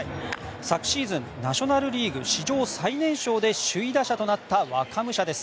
昨シーズンナショナル・リーグ史上最年少で首位打者となった若武者です。